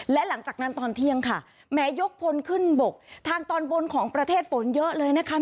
และหลังจากนั้นตอนเที่ยงค่ะแม้ยกพลขึ้นบกทางตอนบนของประเทศฝนเยอะเลยนะคะ